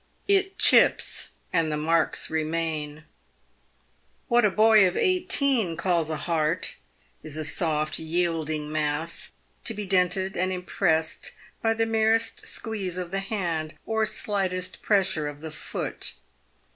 It chips, and the marks remain. What a boy of eighteen calls a heart is a soft yielding mass, to be dented and impressed by the merest squeeze of the hand, or slightest pressure of the foot.